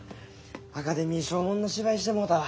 アカデミー賞もんの芝居してもうたわ。